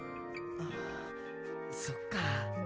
あっそっか。